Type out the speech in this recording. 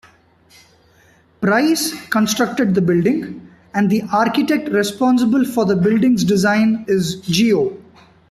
Price constructed the building and the architect responsible for the buildings design is Geo.